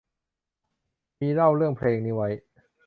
มีเล่าเรื่องเพลงนี้ไว้